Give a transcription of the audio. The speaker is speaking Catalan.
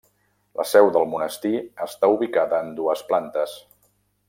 La seu del monestir està ubicada en dues plantes.